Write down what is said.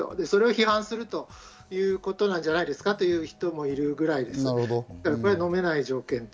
それを批判するということなんじゃないですかという人もいるくらいです。